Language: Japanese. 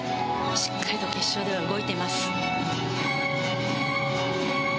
しっかりと決勝では動いています。